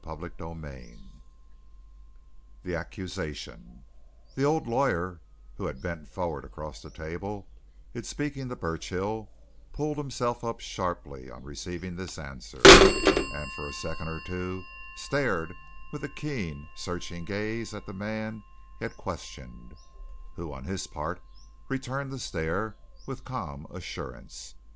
CHAPTER XXIII THE ACCUSATION The old lawyer, who had bent forward across the table in speaking to Burchill, pulled himself up sharply on receiving this answer, and for a second or two stared with a keen, searching gaze at the man he had questioned, who, on his part, returned the stare with calm assurance.